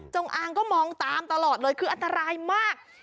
อางก็มองตามตลอดเลยคืออันตรายมาก